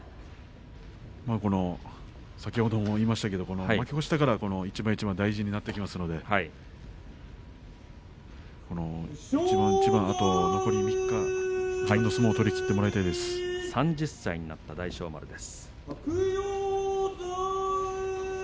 先ほども言いましたが負け越したから一番一番が大切になってきますのであと残り３日自分の相撲を３０歳になった大翔丸です。